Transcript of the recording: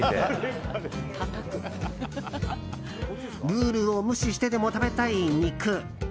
ルールを無視してでも食べたい肉。